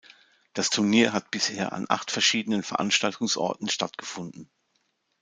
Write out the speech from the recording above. Das Turnier hat bisher an acht verschiedenen Veranstaltungsorten stattgefunden.